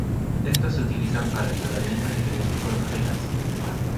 Estos se utilizan para el tratamiento de diferentes formas de cáncer.